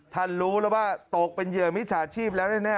รู้แล้วว่าตกเป็นเหยื่อมิจฉาชีพแล้วแน่